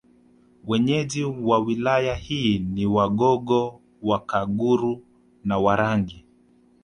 Wenyeji wa Wilaya hii ni Wagogo Wakaguru na Warangi